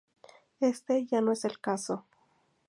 Este ya no es el caso.